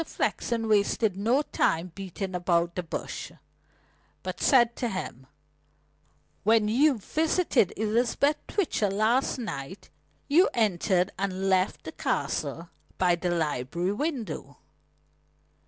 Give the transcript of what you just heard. Flexen wasted no time beating about the bush, but said to him: "When you visited Elizabeth Twitcher last night you entered and left the Castle by the library window."